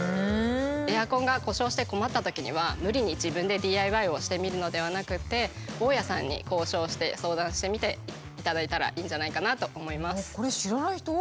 エアコンが故障して困ったときには無理に自分でＤＩＹをしてみるのではなくて大家さんに交渉して相談してみていただいたらいいんじゃないかなと思います。